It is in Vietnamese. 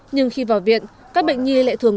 nhưng khi vào viện các bệnh nhi lại thường